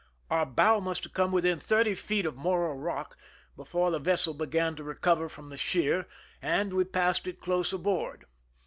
Our bow must have come within thirty feet of Morro rock before the vessel began to recover from the sheer, and we passed it close aboard.